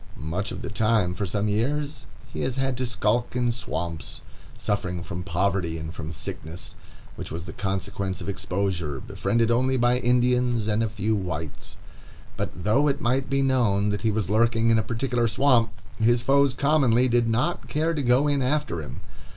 Much of the time for some years he has had to skulk in swamps, suffering from poverty and from sickness, which was the consequence of exposure, befriended only by Indians and a few whites. But though it might be known that he was lurking in a particular swamp, his foes commonly did not care to go in after him.